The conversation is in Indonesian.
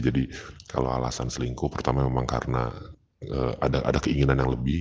jadi kalau alasan selingkuh pertama memang karena ada keinginan yang lebih